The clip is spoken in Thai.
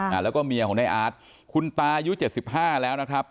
อ่าแล้วก็เมียของในอาร์ตคุณตายุเจ็ดสิบห้าแล้วนะครับ